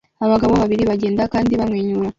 Abagabo babiri bagenda kandi bamwenyura